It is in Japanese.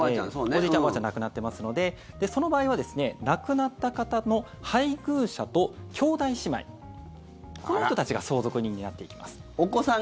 おじいちゃん、おばあちゃんは亡くなっていますのでその場合は、亡くなった方の配偶者と兄弟姉妹この人たちが相続人になっていきます。